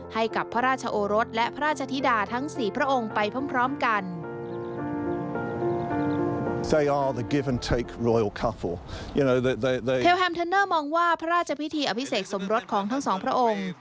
ให้กับพระราชโอรสและพระราชธิดาทั้ง๔พระองค์ไปพร้อมกัน